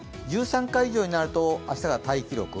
１３回以上になると、明日がタイ記録